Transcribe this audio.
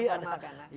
karena formal kan